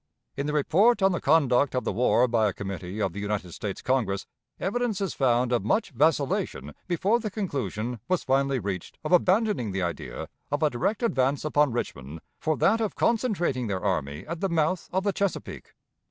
In the report on the conduct of the war by a committee of the United States Congress, evidence is found of much vacillation before the conclusion was finally reached of abandoning the idea of a direct advance upon Richmond for that of concentrating their army at the mouth of the Chesapeake.